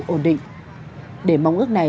ổn định để mong ước này